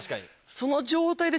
その状態で。